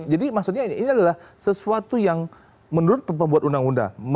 jadi maksudnya ini adalah sesuatu yang menurut pembuat undang undang